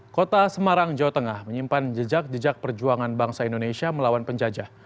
kota semarang jawa tengah menyimpan jejak jejak perjuangan bangsa indonesia melawan penjajah